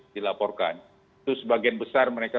dilaporkan itu sebagian besar mereka